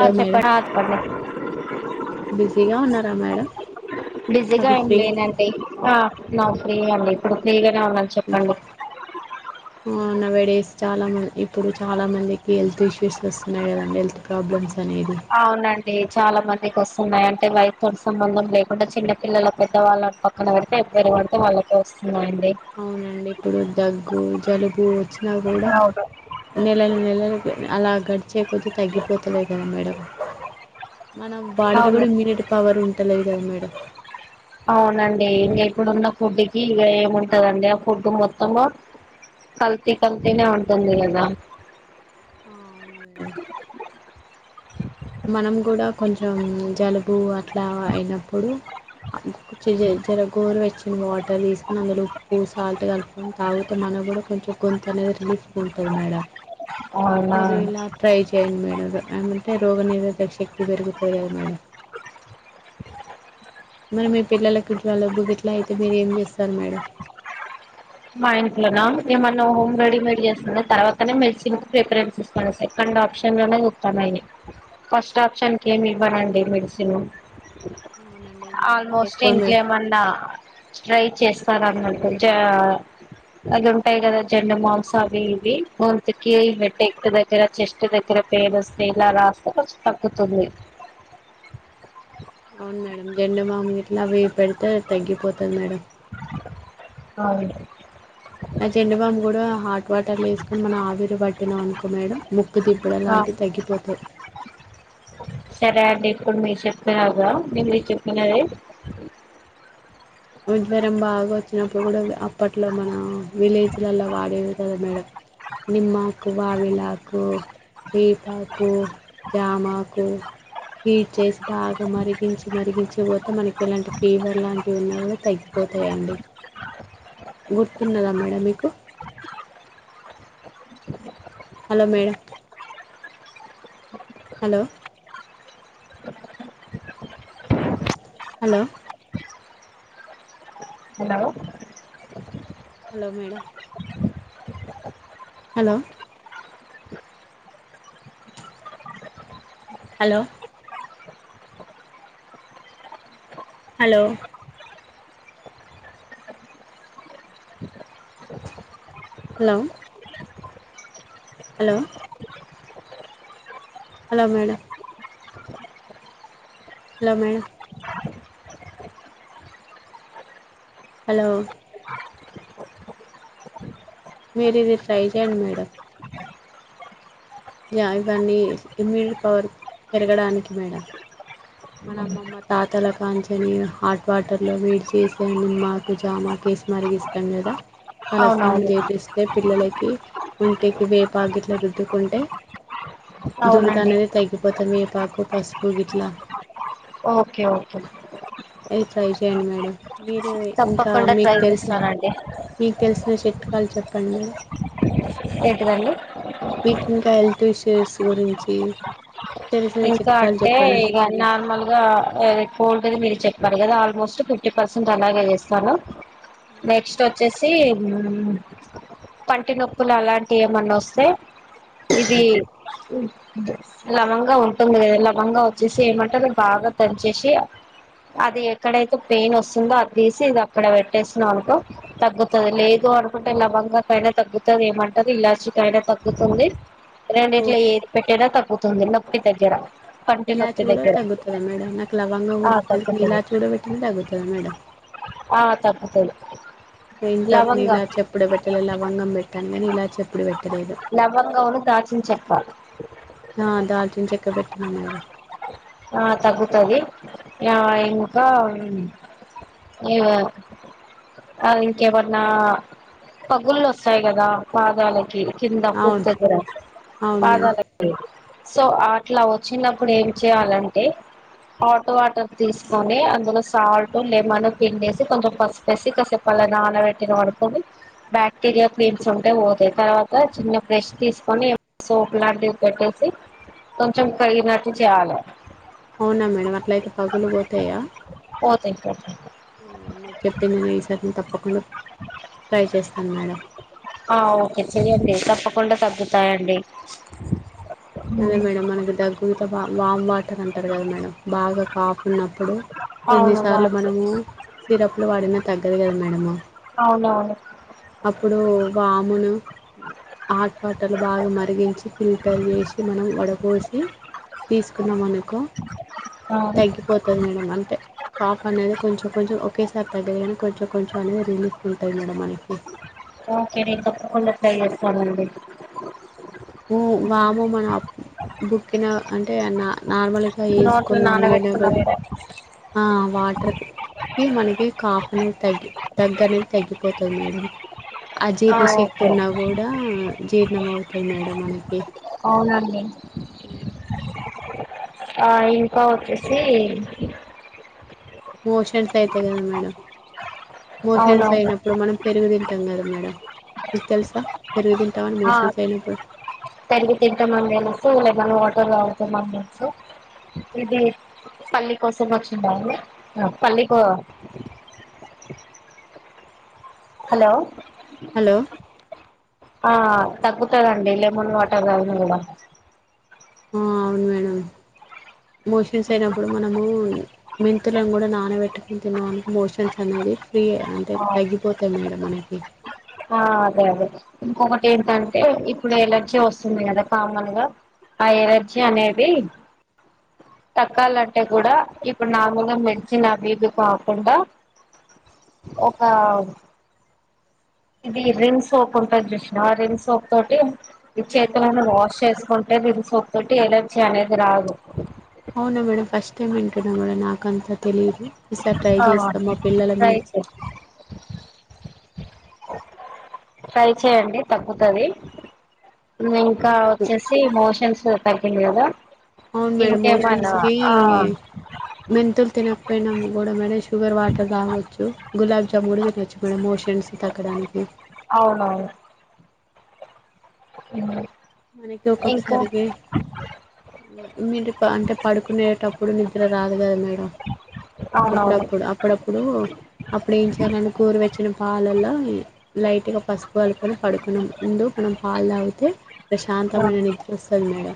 అ madam చెప్పండి. బిజీగా ఉన్నారా మేడం [inaudible] బిజీగా మరి ఫ్రీ ఎంలేనండి. ఆ నార్మల్ లేందండి ఇప్పుడు ఫ్రీగా నే ఉన్నాను చెప్పండి. ఆ నౌవేడేస్ చాలా మంది ఇప్పుడు చాలా మందికి హెల్త్ ఇష్యూస్ వస్తున్నాయి కదండి హెల్త్ ప్రాబ్లమ్స్ అనేది డి చాలా మందికి వస్తున్నాయి. అంటే వయసుతోటి సంబంధం లేకుండా చిన్న పిల్లల, పెద్ద వాళ్ళ పక్కన పెడితే ఎవ్వరికి పడితే వాళ్ళకే వస్తున్నాయం అవునండి ఇప్పుడు దగ్గు, జలుబు వచ్చినా కూడా అవును నెలలు నెలలు అలా గడిచే కొద్ది తగ్గిపోతలే కదా మేడం. మనం బాడీ లో కూడా అవును ఇమ్యూనిటీ పవర్ ఉంటలే దు మేడం. అవునండి ఇంగా ఇప్పుడున్న ఫుడ్డుకి ఇగ ఏముంటదండి. ఆ ఫుడ్డు మొత్తము కల్తీ కల్తినే ఉంటుంది కదా. ఆ అవును మే ంది మనం కూడా కొంచెం జలుబు అ ఇట్లా అయినప్పుడు ఆ కొచ్చి జర గోర వెచ్చని వాటర్ తీసుకొని అందులో ఉప్పు సాల్ట్ కలుపుకొని తాగుతే మనకు కూడా కొంచెం గొంతు అనేది రిలీఫ్గా ఉంటది మేడం. అవునా మీరు ఇలా ట్రై చేయండి మేడం. ఎంమంటే రోగ నిరోధక శక్తి పెరుగుతది కదా మేడం. మరి మీ పిల్లలకు జలుబు గిట్లా అయితే మీరు ఏం చేస్తరు మేడం. మా ఇంట్లోనా? ఏమన్నా హోమ్ రెడీమేడ్ చేస్తుండే తర్వాత అనీ మెడిసిన్కి ప్రిఫరెన్స్ ఇస్తాను సెకండ్ ఆప్షన్లోనే చూస్తాన్నా ఇది. ఫస్ట్ ఆప్షన్కి ఏమి ఇవ్వనండి మెడిసిను. అవునండి ఎందుకంటే ఆల్మోస్ట్ ఎక్కువ మే ఇంకేమన్నా ట్రై చేస్తారన్నటు జా అది ఉంటది కదా జెండుమావ్స్ అవి ఇవి కి [inaudible] [unintelligible] చెస్ట్ దగ్గర పెయిన్ వస్తే ఇలా రాస్తే కొంచెం తగ్గుతుంది. అవును మేడం జెండు బామ్ ఇట్లా అవి పెడితే తగ్గిపోతది మేడం. ఆవును నా జెండుబామ్ కూడా హాట్ వాటర్ల ఎసుకొని మన ఆవిరు పట్ త అనుకో మేడం ముక్ ముక్కు దిబ్బడ ఆ లాంటివి తగ్గిపోతయి. సరే అండి ఇప్పుడు మీరు చెప్పినారుగా మీరు చెప్పినవి జరం బాగా వచ్చినప్పుడు కూడా అప్పట్లో మన విలేజ్లలో వాడేది కదా మేడం నిమ్మాకు, వావిలాకు, పీపాకు, జామాకు హీట్ చేసి బాగా మరిగించి మరిగించపోతే మనకి ఎలాంటి ఫీవర్ లాంటివి ఉన్నా కూడా తగ్గిపోతాయండి గుర్తున్నదా మేడం మీకు hello madam hello hello hello hello madam hello hello hello hello hello hello madam hello madam hello మరది ట్రాై చేం మేడం ఇవన్నీ ఇమ్యూనిటీ పవర్ పెరగడానికి మేడం మన అమ్మమ్మ తాతల కాంచని హాట్ వాటర్లో మీడ్ చేసా నిమ్మకు జామాక వేసి మరిగి ఇస్తాం కదా తలస్నాన అవునవును చేపిస్తే పిల్లలకి ఒంటికి వేపా గట్లు రుద్దుకుంటే అవునండి దురదాన్నది తగ్గిపోతాం పాకు పాస్పుక్ ఇట్లా ఓకే ఓకే సై చేయండి మేడం మీరు ఇంకా తప్పకుండా మీకు ట్రై తెలిసిన చేస్తానండి మీకు తెలిసిన చెట్ వాళ్ళు చెప్పండి ఏంటివండి మీటి కాల్ ఇష్యూస్ గురించి తెలిసిన ఇంకా చిట్కాలు అంటే చెప్పనా ఇక నార్మల్ గా కోల్డ్గాది మ చెప్పారు కదా ఆల్మోస్ట్ ఫిఫ్టీ పర్సెంట్ అలాగ చేస్తాను నెక్స్ట్ వచ్చే పంటి నొప్పు అంటి ఏ వస్తే ఇ ఉ తొమ్మిది వేల బంగా వచ్చేసి ఏమంటారు బాగా దంచేసి అది ఎక్కడైతే పెయిన్ వస్తుందో అది తీసి ఇది అక్కడ పెట్టేసిన అనుకో తగ్గుతుంది లేదు అనుకుంటే లవంగాకైనా తగ్గుతుంది ఏమంటారు ఇలాచ కైనా తగ్గుతుంది రెండు ఓ ఇట్ల ఏది పెట్టేనా తక్ పోతుంది నొప్పి దగ్గర పంటి ఇలాచి నొప్పి కూడా దగ్గర తగ్గుతాది మేడం నాకు లవంగ ఆ ఉగ తెలిస తగ్గుతది ఇలాచి కూడా పెట్టింది తగ్గుతాది మేడం ఆ తప్పతలి ఇంతవరకు నే ఇలా చెప్పుడ పెట్టలేలా వంగం పెట్టాను గాని ఇలా చెప్పుడు పెట్టలేదు హా దచే ఆ తగుతది యా ఇంకా ఇగ ఇంకెమైనా పగుళ్లు వస్తాయి కదా పాదాలకి కింద ఫుట్ అవును దగ్గర అవును మేడం పాదాలకి సో ఆ అట్లా వచ్చినప్పుడు ఏం చేయాలంటే హాట్ వాటర్ తీసుకొని, అందులో సాల్ట్ లెమన్ పిండేసి, కొంచెం పసుపేసి కసేపలా నానబెట్టిన, మానుకోండి బ్యాక్టీరియా క్లీమ్స్ ఉంటే పోతాయి, తర్వాత చిన్న ఫ్రెష్ తీసుకొని సోప్ లాంటివి పెట్టేసి, కొంచెం కడిగినట్ చేయాలి అవునా మేడం అట్లయితే పగులు పోతాయా పోతాయి పోతాయి. మీరు చెప్పింది నేను ఈసారి తప్పకుండా ట్రై చేస్తాను మేడం ఆ ఓకే చెయ్యండి తప్పకుండా తగ్గుతాయండి హ్మ్మ్ మనకు దగ్గు వామ్ వాటర్ అంటారు కదా మేడమ్ బాగా కాఫ్ ఉన్నప్పుడు అవును వా కొన్నిసార్లు మనము సిరప్లు వాడినా తగ్గదు కదా మేడమ్ చె అప్పుడు వామును హాట్ వాటర్లు బాగా మరిగించి ఫిల్టర్ చేసి మనం వడపోసి తీసుకున్నాం అనుకో ఆ తగ్గిపోతుంది మేడం అంటే కాఫ్ అనేది కొంచెం కొంచెం ఒకేసారి తగ్గదు కనుక కొంచెం కొంచం అనేడి రలీఫ్ గా ఉంటాయి మేడమ్ మనకి ఎ ఓకే నేను తప్పకుండా ట్రై చేస్తానండి వాము మనము బుక్కిన అంటే అన్నా నోట్లు నానబెట్టుకున్న వేరే ఆ వాటర్కి మనకి కాఫ్ అనేది తగ్గి దగ్గ అనేది తగ్గిపోతుంది మేడం ఆ జీర్ణశక్తి ఉన్నా కూడా జీర్ణం అవుతుంది మేడం మనకి అవునండి ఆ ఇంకా వచ్చేసి మోషన్స్ అయితేయి కదా మేడం మోషన్స్ అవునవును అయినప్పుడు మనం పెరుగు తింటాం కదా మేడం మీక్ తెలుసా పెరుగు తింటామని ఆ మోషన్స్ అయినప్పుడు పెరుగు తింటమండి లేకపోతే వాటర్ వాటర్ తాగుతామని తెలుసు ఇది పల్లి కోసం వచ్చిండి పల్లి కో హలో హలో ఆ తగ్గుతుందండి లెమన్ వాటర్ తాగిన కూడా ఆ అవును మేడం మోషన్స్ అయినప్పుడు మనము మెంత్ కూడా నానబెట్టు ఇకా నన్ ఇమోషన్స్ తనది ఆ అదే అదే ఇంకొకటి ఏంటంటే ఇప్పుడు ఎలర్జీ వస్తుంది కదా కామన్ గా ఆ ఎలర్జీ అనేది తగ్గాలంటే కూడా ఇప్పుడు నార్మల్ గా మెడిసిన్ అవి ఇవి కాకుండా ఒక ఇది రిన్ సోప్ ఉంటంది చూసినావా రిన్ సోప్ తోటి ఈ అవును చేతులను మేడం వాష్ చేసుకుంటే రిన్ సోప్ తోటి ఎలర్జీ అనేది రాదు ఎక్కడపోయినా కంతా తెలీదు ఈసారి ట్రై ఆ చేస్తాం మా పిల్లల ట్రై మీద ట్రై చేయండి తగ్గుతది నువె కా మీద వచ్చేసి మోషన్స్ నో పార్కింగ్ కదా అవును మేడం మోషన్స్ ఇంకేమన్నా కి ఆ మెంతులు తి తినకపోయినము మూడమనేషి షుగర్ వాటర్ తాగొచ్చు గులాబ్ జామ్ కూడ తినచ్చు మేడం మోషన్స్ తగ్గడానికి ఊమ్ మనకి ఒక్కొక్కసారికి ఇమీడ్ అంటే పడుకునేటప్ ఇప్పుడు నిద్ర రాదు కదా మేడం అవునవును అప్పుడప్పుడు అప్పుడప్పుడు అప్పుడు ఏం చేయ్యాలం కోరు వెచ్చని వచ్చిన పాలల లైట్గా పసుపు కలుకొని పడుకున ముందు మనం పాలు తాగితే ప్రశాంతమైన నిద్రోస్తది మేడం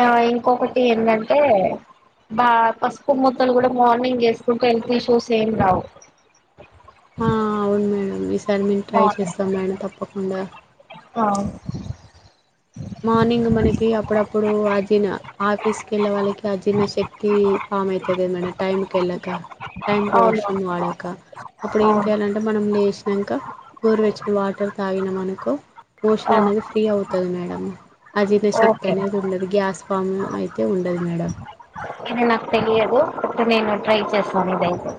ఆ ఇంకొకటి ఏంటంటే బా పసుపు ముక్కలు కూడా మార్నింగ్ చేసుకుంటే హెల్త్ ఇష్యూస్ ఏం రావు ఆ అవును మేడం మీస్ దాని మేమ్ ట్రై చేస్తాం మేడం తప్ పకుండా అ మార్నింగ్ మనకి అప్పుడప్పుడు అజీర్ణ ఆఫీస్కి వెళ్ళ వాళ్ళకి అజీన శక్తి ఫామ్ ఐతది కద మేడం టైమ్కి వెళ్ళక టైం అవును వాష్రమ్ వాడాక అప్పుడు ఏం అవును చేయాలంటే మనం లే ఇంకా గోరు వెచ్చని వాటర్ తాగిన మనుకో మోషన్ ఆ అనేది ఫ్రీ అవుతది మేడమ్ అజీర్ణ శక్తి ఓకే అనేది ఉండదు గ్యాస్ ఫామ్ అయితే ఉండదు మేడం ఇది నాకు తెలియదు ఇక నేను ట్రై చేశాను ఇదైతే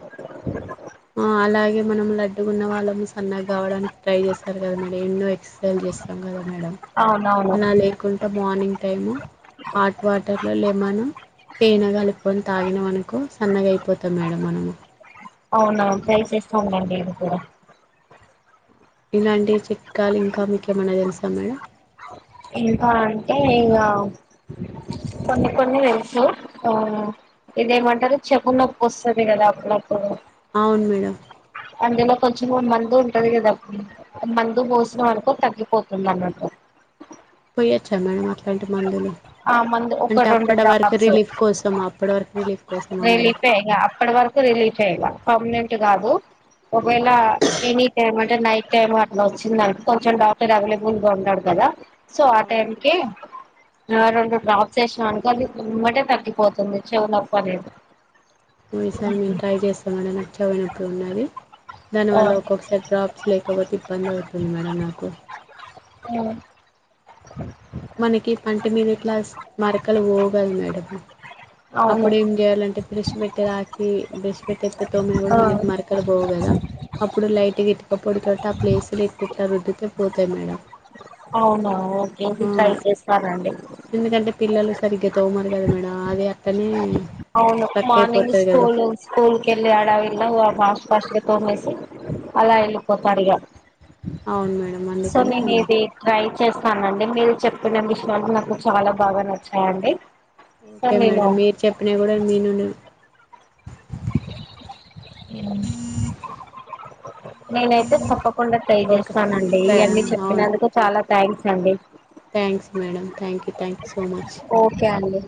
ఆ అలాగే మనం లడ్డుకున్న వాళ్ళము సన్నగా కావడానికి ట్రై చేస్తారు గదా మేడం ఎన్నో ఎక్సర్సైజ్లు చేస్తాం గద మేడం అవునవును అలా లేకుంట మార్నింగ్ టైము హాట్ వాటర్లో లెమన్ తేనెగలుపుకొని తాగిన అనుకో సన్నగా అయిపోతాం మేడం మనము అవునా ట్రై చేస్తాను మేడం నేను కూడా ఇలాంటి చిక్కాలు ఇంకా మీకెమన తెలుసాం మేడం ఇంకా అంటే ఇగ కొన్ని కొన్ని తెలుసు ఆ ఇదేమంటారు చెవు నొప్పి వస్తది గదా అప్పుడ నా అవును మేడం అందులో కొంచం చులో మందు ఉంటది కదా ఆ మందు ఒసిన వనుకో తగ్గిపోతుంది అన్నట్టు పోయచ్చ మేడం అట్లా ఆ మంది ఒకటి రెండు అప్పటి వరకు డ్రాప్స్ రిలీఫ్ కోసమా అప్పటి వరకు రిలీఫ్ కోసమా మేడం రిలీఫె ఇగ అక్కటి వరకు రిలీఫె ఇగ పర్మినెంట్ టి గాదు ఒకవేళ ఎనీ టైమ్ అంటే నైట్ టైమ్ అట్లా వచ్చిందను కొంచెం డాక్టర్ అవైలబుల్ గా ఉన్నాడు కదా సో ఆ అవును మేడం టైంకి ర రెండు డ్రాప్స్ చేసామనుకో అది ఎమ్మటే తగ్గిపోతుంది చెవి నొప్పి అనేది మూవీస్ అన్ని ట్రై చేస్తాం మేడం నాకు చెవి నొప్పి ఉన్నది దానివల్ల అవును ఒక్కొక్కసారి డ్రాప్స్ లేకపోతే ఇబ్బంది అవుతుంది మేడం నాకు అ మనకి పంటి మీదట్లా మరకలు పోగల మేడం అవును అప్పుడు ఏం చేయాలంటే బ్రెష్ పెట్టే రాకి బ్రెష్ పెట్టే తోమని కూడా ఆ మనకి మరకలు పోవు కదా అప్పుడు లైట్గా ఇటుక ఇప్పడుకట్టి ఆ ప్లేసులు ఎక్తే ఇట్లా రుద్దుతే పోతాయి మేడం అవునా, ఓకే ఇది ఆ ట్రై చేస్తానండి ఎందుకంటే పిల్లలు సరిగ్గా తోమరు కదా మేడం అదే అక్కనే అవును మార్నింగ్ స్కూల్ స్కూల్ కెళ్ళే హడావిలా ఫాస్ట్ ఫాస్ట్ గా తోమేసి అలా వెళ్ళిపోతారు ఇక అవును మేడం అందుకనే అది ట్రై చేస్తానండి మీరు చెప్పిన విషయాలు నాకు చాలా బాగా నచ్చాయండి సో ఓకే నేను మేడం మీరు చెప్ అప్పున కూడా మీ నుండి అ నేనైతే తప్పకుండా ట్రై ఓకే చేస్తాన అండి థా- ఇవన్నీ అవును చెప్పినందుకు చాలా థ్యాంక్స్ అండి thanks madam thank you thank you so much E